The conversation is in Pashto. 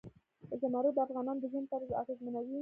زمرد د افغانانو د ژوند طرز اغېزمنوي.